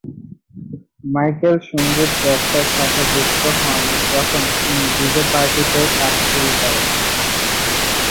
Michael সঙ্গীত ব্যবসার সাথে যুক্ত হন যখন তিনি ডিজে পার্টিতে কাজ শুরু করেন।